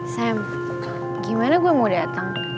sam gimana gue mau datang